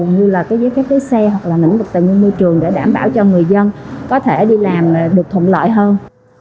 như là cái giấy phép lái xe hoặc là lĩnh vực tài nguyên môi trường để đảm bảo cho người dân có thể đi làm được thuận lợi hơn